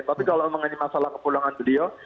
tapi kalau mengenai masalah kepulangan beliau